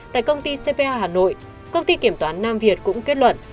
tại công ty cpa hà nội công ty kiểm toán nam việt cũng kết luận